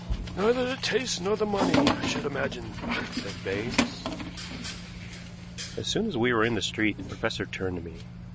"Neither the taste nor the money, I should imagine," said Baines. As soon as we were in the street the professor turned to me.